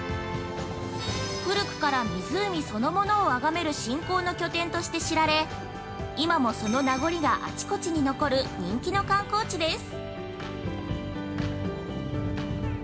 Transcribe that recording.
古くから、湖そのものをあがめる信仰の拠点として知られ今も、その名残があちこちに残る人気の観光地です。